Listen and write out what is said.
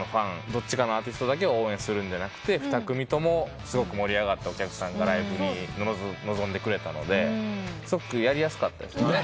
どっちかのアーティストだけを応援するんじゃなくて２組ともすごく盛り上がってお客さんがライブに臨んでくれたのですごくやりやすかったですよね。